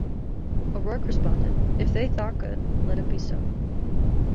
O'Rourke responded, "If they thought good, let it be so".